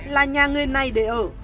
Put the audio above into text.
là nhà người này để ở